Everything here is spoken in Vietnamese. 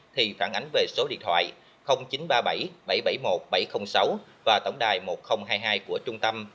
thì phản ánh về số điện thoại chín trăm ba mươi bảy bảy trăm bảy mươi một bảy trăm linh sáu và tổng đài một nghìn hai mươi hai của trung tâm